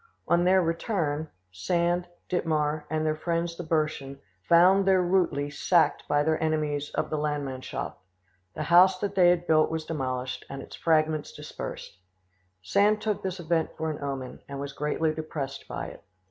On their return, Sand, Dittmar, and their friends the Burschen, found their Ruttli sacked by their enemies of the Landmannschaft; the house that they had built was demolished and its fragments dispersed. Sand took this event for an omen, and was greatly depressed by it.